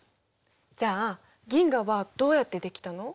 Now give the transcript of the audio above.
じゃあ銀河はどうやって出来たの？